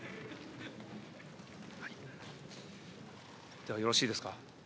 じゃあよろしいですか。